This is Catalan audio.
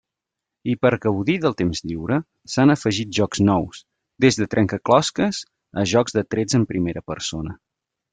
I per gaudir del temps lliure s'han afegit jocs nous, des de trencaclosques a jocs de trets en primera persona.